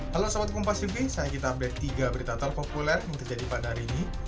halo selamat kompas youbi saya kita update tiga berita terpopuler yang terjadi pada hari ini